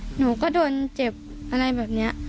หนูก็โดนเจ็บอะไรแบบนี้